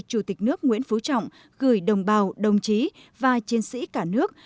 chủ tịch nước nguyễn phú trọng gửi đồng bào đồng chí và chiến sĩ cả nước